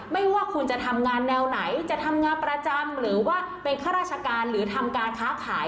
ไม่ว่าคุณจะทำงานแนวไหนจะทำงานประจำหรือว่าเป็นข้าราชการหรือทำการค้าขาย